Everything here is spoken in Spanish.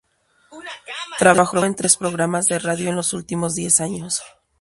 Trabajó en tres programas de radio en los últimos diez años.